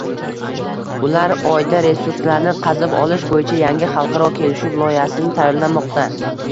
Ular Oyda resurslarni qazib olish boʻyicha yangi xalqaro kelishuv loyihasini tayyorlamoqda.